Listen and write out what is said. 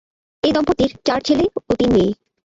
এ দম্পতির চার ছেলে ও তিন মেয়ে।